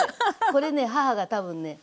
これね母が多分ね５０代。